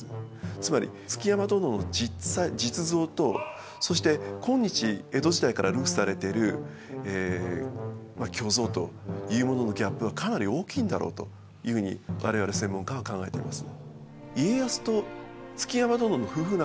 つまり築山殿の実像とそして今日江戸時代から流布されてるまあ虚像というもののギャップはかなり大きいんだろうというふうに我々専門家は考えています。